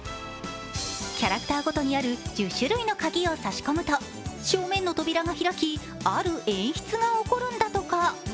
キャラクターごとにある１０種類の鍵を差し込むと正面の扉が開きある演出が起こるんだとか。